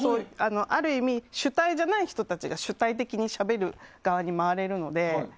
ある意味、主体じゃない人たちが主体でしゃべる側に回れるので。